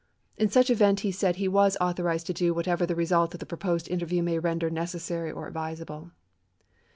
In such event he said he was "authorized to do whatever the result of the proposed interview may render necessary or advisable."